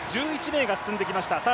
１１名が進んできました。